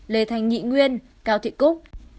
lê thanh nghị nguyên cao thị cúc